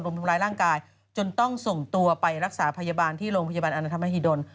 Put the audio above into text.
ทำร้ายร่างกายจนต้องส่งตัวไปรักษาพยาบาลที่โรงพยาบาลอนธรรมหิดล